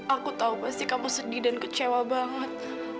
aku tahu pasti kamu sedih dan kecewa banget